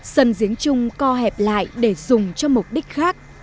sân giếng chung co hẹp lại để dùng cho mục đích khác